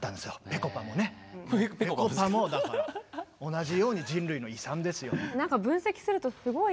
ぺこぱもだから同じように人類の遺産ですよ。